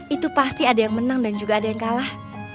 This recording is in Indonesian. itu pasti ada yang menang dan juga ada yang kalah